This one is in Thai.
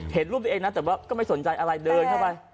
เห็นรูปตัวเองนะแต่ว่าก็ไม่สนใจอะไรเดินเข้าไป